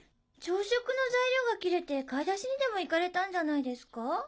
朝食の材料が切れて買い出しにでも行かれたんじゃないですか？